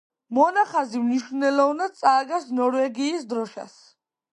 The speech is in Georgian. მონახაზი მნიშვნელოვნად წააგავს ნორვეგიის დროშას.